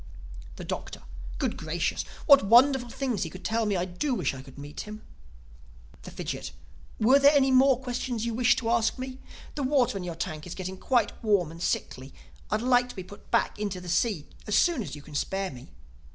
The Doctor: "Good Gracious, what wonderful things he could tell me! I do wish I could meet him." The Fidgit: "Were there any more questions you wished to ask me? This water in your tank is getting quite warm and sickly. I'd like to be put back into the sea as soon as you can spare me."